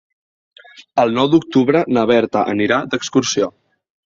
El nou d'octubre na Berta anirà d'excursió.